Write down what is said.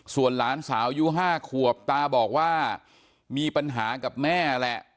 ส่วนหลานสาวอายุ๕ขวบตาบอกว่ามีปัญหากับแม่แหละ